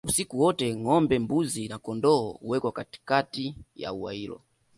Usiku wote ngombe mbuzi na kondoo huwekwa katikati ya ua hilo